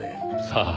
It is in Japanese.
さあ